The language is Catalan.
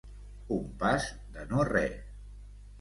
Un pas de no re.